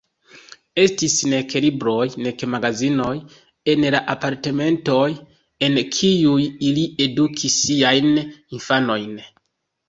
Estis nek libroj, nek magazinoj en la apartamentoj, en kiuj ili edukis siajn infanojn.